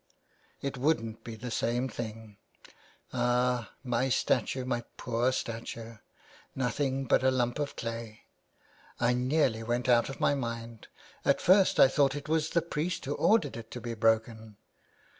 '^" It wouldn't be the same thing. Ah ! my statue, my poor statue. Nothing but a lump of clay. I nearly went out of my mind. At first I thought it was the priest who ordered it to be broken.